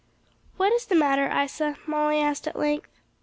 "What is the matter, Isa?" Molly asked at length.